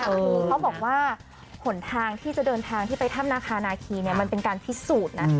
คือเขาบอกว่าหนทางที่จะเดินทางที่ไปถ้ำนาคานาคีเนี่ยมันเป็นการพิสูจน์นะ